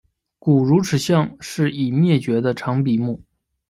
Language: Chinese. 古乳齿象是已灭绝的长鼻目。